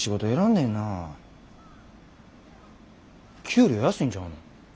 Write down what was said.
給料安いんちゃうの？